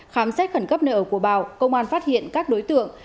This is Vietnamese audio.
khám xét khẩn cấp nợ của bảo công an phát hiện các đối tượng